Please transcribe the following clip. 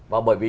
và bởi vì